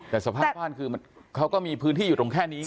แต่สภาพบ้านคือเขาก็มีพื้นที่อยู่ตรงแค่นี้